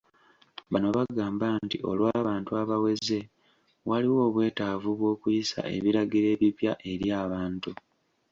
Bano bagamba nti olw'abantu abaweze waliwo obwetaavu bw'okuyisa ebiragiro ebipya eri abantu.